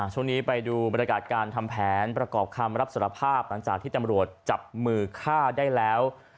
ช่วงนี้ไปดูบรรยากาศการทำแผนประกอบคำรับสารภาพหลังจากที่ตำรวจจับมือฆ่าได้แล้ว